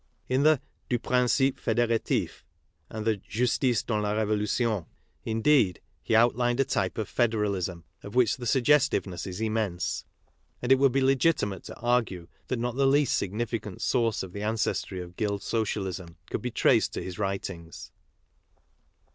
In the Dm Principe Federatif and the Justice dans la Revolu tion, indeed, he outlined a type of federalism of which the suggestiveness is immense ; and it would be legitimate to argue that not the least significant source of the ancestry of Guild Socialism could be traced to his writings.